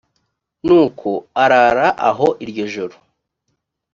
nuko arara aho iryo joro